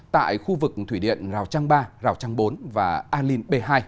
thủy điện rào trăng ba rào trăng bốn và an linh b hai